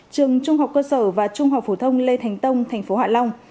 trường trung học cơ sở và trung học phổ thông lê thành tông tp hạ long